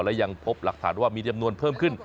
และยังพบหลักฐานว่ามีจำนวนเพิ่มขึ้น